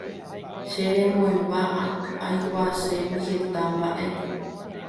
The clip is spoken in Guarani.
che remoimba aikuaaségui heta mba'e